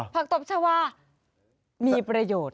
ตบชาวามีประโยชน์